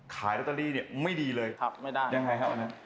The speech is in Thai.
ขายโรตเตอรี่ไม่ดีเลยยังไงครับอันนั้นครับไม่ได้